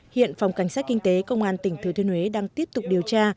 hiện phòng cảnh sát kinh tế công an tỉnh thừa thiên huế đang tiếp tục điều tra